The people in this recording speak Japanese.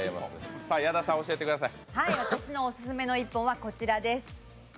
私のオススメの一本はこちらです。